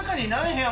部屋。